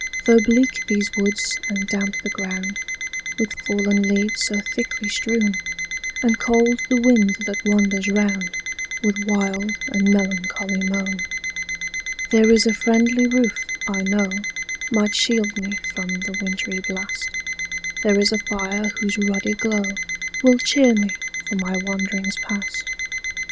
Though bleak these woods, and damp the ground, With fallen leaves so thickly strewn, And cold the wind that wanders round With wild and melancholy moan; There is a friendly roof I know, Might shield me from the wintry blast; There is a fire whose ruddy glow Will cheer me for my wanderings past.